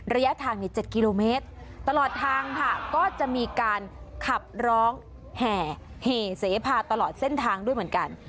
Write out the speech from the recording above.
ระยะทางใน๗กิโลเมตรตลอดทางค่ะก็จะมีการขับร้องแห่เหพาตลอดเส้นทางด้วยเหมือนกัน